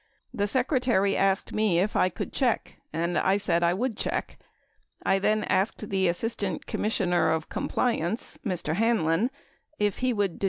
The Secretary asked me if I could check, and I said I would check. I then asked the Assist ant Commissioner of Compliance, Mr. Hanlon, if he would de 11 23 Hearings 11222.